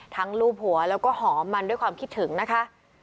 ลูบหัวแล้วก็หอมมันด้วยความคิดถึงนะคะ